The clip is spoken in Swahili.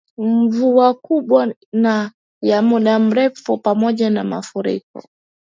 Mvua kubwa na ya muda mrefu pamoja na mafuriko